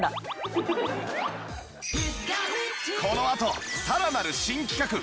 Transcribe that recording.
このあとさらなる新企画始動！